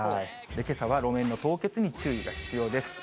けさは路面の凍結に注意が必要です。